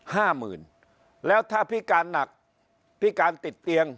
ห้าหมื่นแล้วถ้าพิการหนักพิการติดเตียง